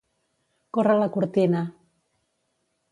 Córrer la cortina.